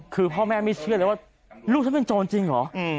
คือพ่อแม่ไม่เชื่อเลยว่าลูกฉันเป็นโจรจริงเหรอ